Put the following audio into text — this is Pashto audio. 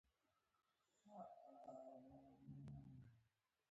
زردالو د افغانستان د فرهنګي فستیوالونو یوه مهمه برخه ده.